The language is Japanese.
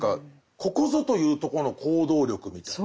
ここぞというとこの行動力みたいな。